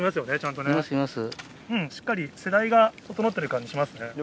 うんしっかり世代が整ってる感じしますね。